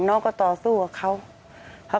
น้องก็ต่อสู้กับเขาค่ะ